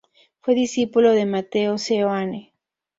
Fue discípulo de Mateo Seoane.